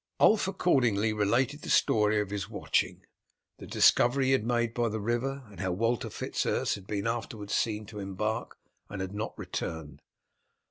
Ulf accordingly related the story of his watching, the discovery he had made by the river, and how Walter Fitz Urse had been afterwards seen to embark and had not returned.